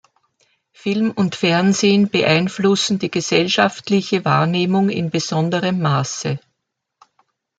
Film und Fernsehen beeinflussen die gesellschaftliche Wahrnehmung in besonderem Maße.